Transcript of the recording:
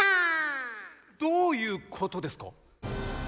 どういうことですか？